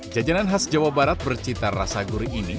jajanan khas jawa barat bercita rasa gurih ini